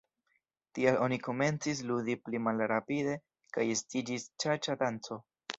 Tial oni komencis ludi pli malrapide kaj estiĝis ĉaĉa-danco.